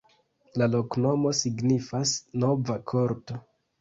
La loknomo signifas: nova-korto.